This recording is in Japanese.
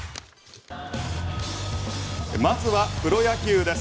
まずはプロ野球です